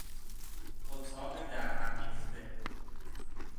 اتاق درهم ریخته